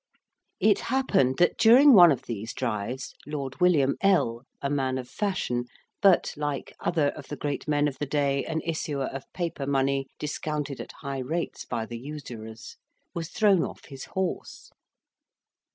It happened that during one of these drives, Lord William L., a man of fashion, but, like other of the great men of the day, an issuer of paper money discounted at high rates by the usurers, was thrown off his horse.